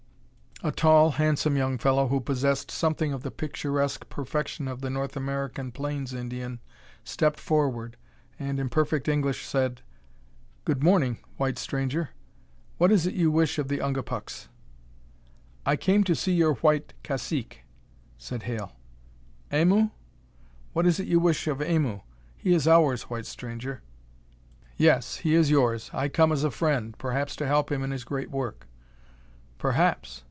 A tall, handsome young fellow who possessed something of the picturesque perfection of the North American plains' Indian stepped forward and, in perfect English, said: "Good morning, white stranger. What is it you wish of the Ungapuks?" "I came to see your white cacique," said Hale. "Aimu? What is it you wish of Aimu? He is ours, white stranger." "Yes, he is yours. I come as a friend, perhaps to help him in his great work." "Perhaps!"